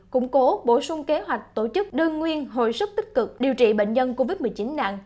củng cố bổ sung kế hoạch tổ chức đơn nguyên hồi sức tích cực điều trị bệnh nhân covid một mươi chín nặng